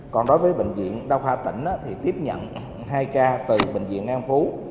còn đối với bệnh viện đa khoa tỉnh thì tiếp nhận hai ca từ bệnh viện an phú